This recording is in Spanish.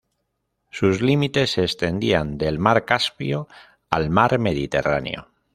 Sus límites se extendían del mar Caspio al mar Mediterráneo.